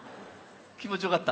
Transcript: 気持ち良かった？